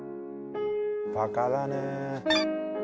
バカだね。